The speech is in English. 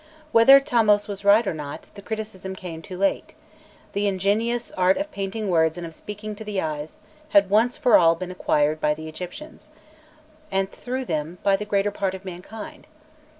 Whether Thamos was right or not, the criticism came too late: "the ingenious art of painting words and of speaking to the eyes" had once for all been acquired by the Egyptians, and through them by the greater part of mankind.